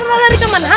mau lari kemana